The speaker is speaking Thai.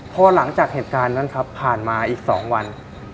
พอหลังจากเหตุการณ์นั้นครับผ่านมาอีก๒วัน